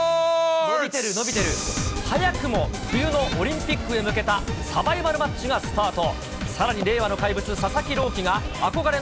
早くも冬のオリンピックへ向けたサバイバルマッチがスタート。